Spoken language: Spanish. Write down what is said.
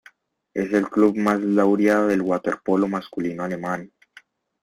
Es el club más laureado del waterpolo masculino alemán.